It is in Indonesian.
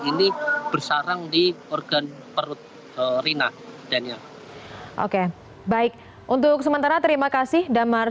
ini bersarang di organ perut rina daniel oke baik untuk sementara terima kasih damar